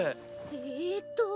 えっと。